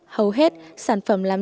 hầu hết sản phẩm làm như thế này